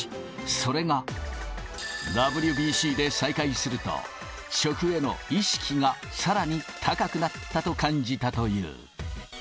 それが、ＷＢＣで再会すると、食への意識がさらに高くなったと感じたという。